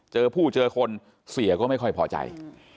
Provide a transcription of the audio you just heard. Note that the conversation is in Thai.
เจอผู้เจอคนเสียก็ไม่ค่อยพอใจ